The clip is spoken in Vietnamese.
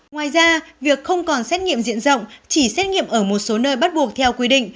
ngoài ra việc không còn xét nghiệm diện rộng chỉ xét nghiệm ở một số nơi bắt buộc theo quy định